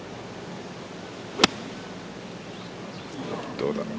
どうだ。